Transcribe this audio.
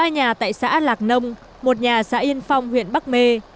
ba nhà tại xã lạc nông một nhà xã yên phong huyện bắc mê